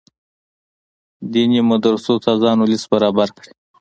دیني مدرسو استادانو لست برابر کړي.